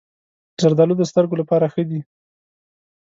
زردالو د سترګو لپاره ښه دي.